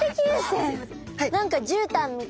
何かじゅうたんみたい。